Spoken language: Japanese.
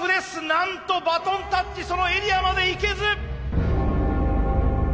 なんとバトンタッチそのエリアまで行けず！